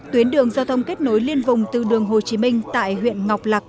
tuyến đường giao thông kết nối liên vùng từ đường hồ chí minh tại huyện ngọc lạc